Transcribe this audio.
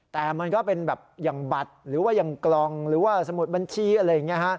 แต่มันก็เป็นแบบอย่างบัตรหรือว่าอย่างกล่องหรือว่าสมุดบัญชีอะไรอย่างนี้ฮะ